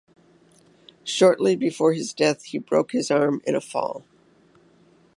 Shortly before his death he broke his arm in a fall.